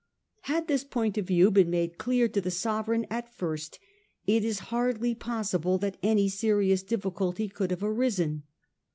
Had this point of view been made clear to the Sovereign at first, it is hardly possible that any serious difficulty could have arisen.